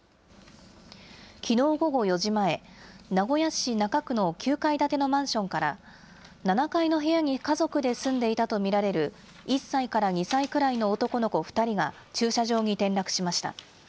きのう午後４時前、名古屋市中区の９階建てのマンションから、７階の部屋に家族で住んでいたと見られる１歳から２歳くらいの男の子２人が駐車場に転落しました。